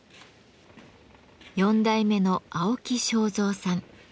４代目の青木章三さん。